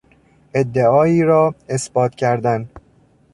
ادعایی را اثبات کردن